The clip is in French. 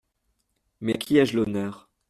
Mais à qui ai-je l’honneur ?